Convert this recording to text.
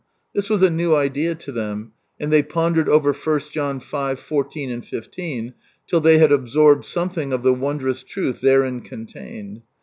This was a new idea to them, and they pondered over i John v. 14, 15, till they had absorbed something of the wondrous truth therein contained.